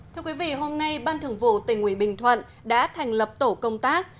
thưa quý vị hôm nay ban thưởng vụ tỉnh nguyễn bình thuận đã thành lập tổ công tác